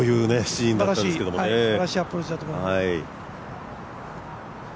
すばらしいアプローチだと思います。